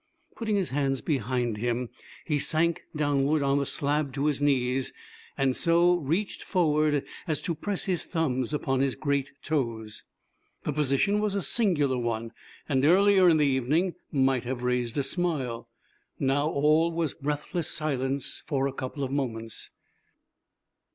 Putting his hands behind him, he sank downward on the slab to his knees, and so reached forward as to press his thumbs upon his great toes. The position was a singular one, and earlier in the evening might have raised a smile. Now all was breathless silence for a couple of moments.